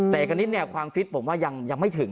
แต่เอกณิตความสรุปผมว่ายังไม่ถึง